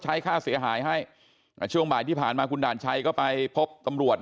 ใช้ค่าเสียหายให้ช่วงบ่ายที่ผ่านมาคุณด่านชัยก็ไปพบตำรวจ